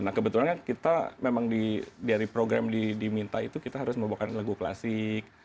nah kebetulan kita memang dari program diminta itu kita harus membawakan lagu klasik